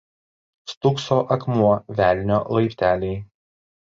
Stūkso akmuo „Velnio laipteliai“.